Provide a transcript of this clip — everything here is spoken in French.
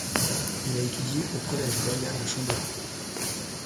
Il a étudié au Collège royal de Chambéry.